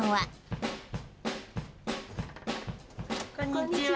こんにちは。